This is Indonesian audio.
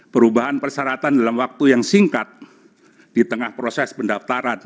perubahan persyaratan dalam waktu yang singkat di tengah proses pendaftaran